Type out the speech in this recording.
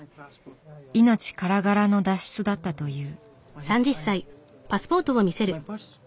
命からがらの脱出だったという。